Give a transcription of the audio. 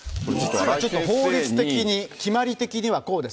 法律的に、決まり的にはこうです。